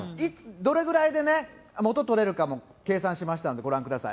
どれぐらいで元取れるかも計算しましたので、ご覧ください。